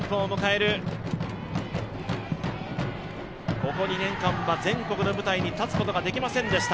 ここ２年間は全国の舞台に立つことができませんでした。